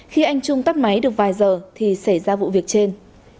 khi anh trung tắt máy được vài giờ thì xảy ra vụ việc trên